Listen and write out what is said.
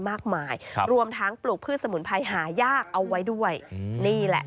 มากมายครับรวมทั้งปลูกพืชสมุนไพรหายากเอาไว้ด้วยอืมนี่แหละ